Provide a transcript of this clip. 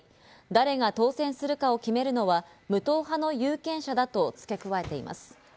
誰が当選するかを決めるのは無党派の有権者だと付け加えています。